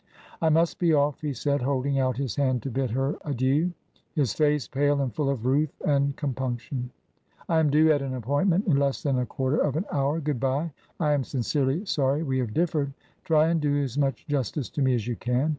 " I must be off," he said, holding out his hand to bid her adieu, his face pale and full of ruth and compunction ;" I am due at an appointment in less than a quarter of an hour. Good bye. I am sincerely sorry we have differed. Try and do as much justice to me as you can.